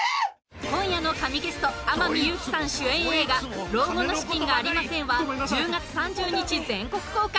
今夜の紙ゲスト天海祐希さん主演映画『老後の資金がありません！』は１０月３０日全国公開。